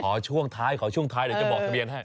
ขอช่วงท้ายเดี๋ยวจะบอกทะเบียนให้